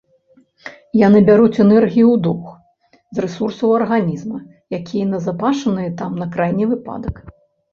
Яны бяруць энергію ў доўг з рэсурсаў арганізма, якія назапашаныя там на крайні выпадак.